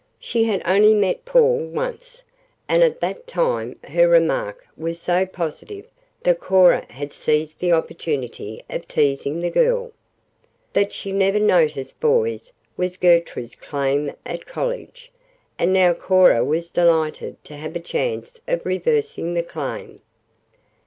She had only met Paul once, and at that time her remark was so positive that Cora had seized the opportunity of teasing the girl. That she never noticed boys was Gertrude's claim at college, and now Cora was delighted to have a chance of reversing the claim.